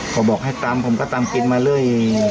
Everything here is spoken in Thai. พอบอกให้ตำผมก็ตำกินมาเรื่อย